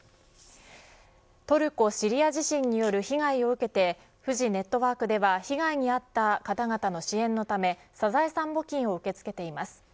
トルコ・シリア地震による被害を受けてフジネットワークでは被害に遭った方々の支援のためサザエさん募金を受け付けています。